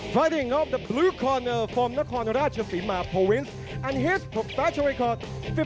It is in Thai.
เพิ่มอู่เปียนแค้นลีขังการความรู้จักวันน่ะครับ